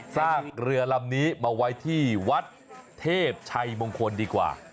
สร้างเรือลำนี้มาไว้ที่วัดเทพชัยมงคลดีกว่า